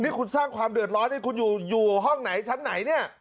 นี่คุณสร้างความเดือดร้อนให้คุณอยู่ห้องไหนชั้นไหนเนี่ย